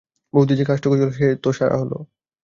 বউদির যে কাজটুকু ছিল, সে তো সারা হল।